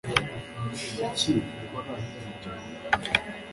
kuki ukora ibyo